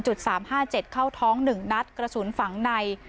๓๕๗เข้าท้อง๑นัดกระสุนฝังใน